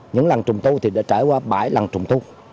những lần trùng thu thì đã trải qua bảy lần trùng thu